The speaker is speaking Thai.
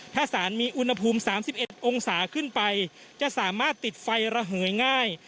ถ้าสารมีอุณหภูมิ๓๑องศาขึ้นไปจะสามารถติดไฟระเหยง่าย